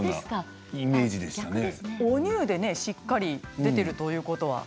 おニューでしっかり出ているというのは。